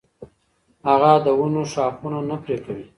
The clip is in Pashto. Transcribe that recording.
هغه د ونو ښاخونه نه پرې کوي.